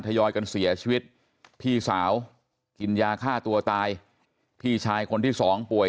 ทยอยกันเสียชีวิตพี่สาวกินยาฆ่าตัวตายพี่ชายคนที่สองป่วย